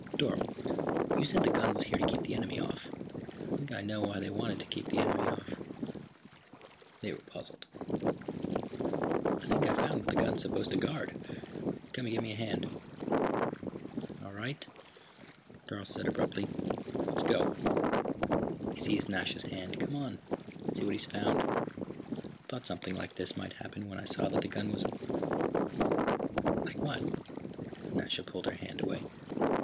"Dorle, you said the gun was here to keep the enemy off. I think I know why they wanted to keep the enemy off." They were puzzled. "I think I've found what the gun is supposed to guard. Come and give me a hand." "All right," Dorle said abruptly. "Let's go." He seized Nasha's hand. "Come on. Let's see what he's found. I thought something like this might happen when I saw that the gun was " "Like what?" Nasha pulled her hand away.